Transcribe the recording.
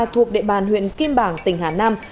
thuộc địa bàn huyện kim bảng tỉnh hà nam